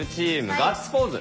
ガッツポーズ